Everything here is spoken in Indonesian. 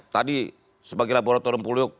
tadi sebagai laboratorium